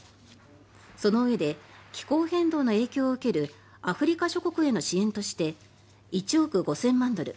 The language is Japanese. そのうえで気候変動の影響を受けるアフリカ諸国への支援として１億５０００万ドル